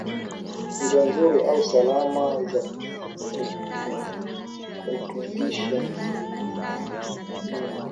Njia nzuri au salama za kutungisha mimba